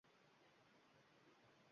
Hamochildi chun bahor.